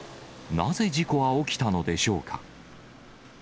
なぜ事故は起きたのでしょうか。